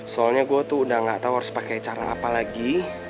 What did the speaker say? soalnya gue tuh udah gak tau harus pakai cara apa lagi